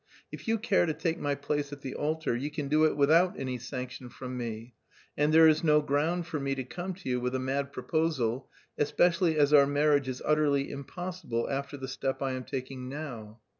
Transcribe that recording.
If you care to take my place at the altar, you can do it without any sanction from me, and there is no ground for me to come to you with a mad proposal, especially as our marriage is utterly impossible after the step I am taking now.